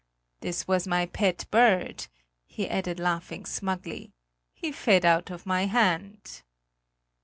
"This was my pet bird," he added laughing smugly; "he fed out of my hand!"